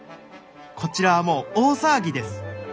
こちらはもう大騒ぎです。